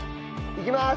いきます。